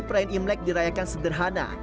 perayaan imlek dirayakan sederhana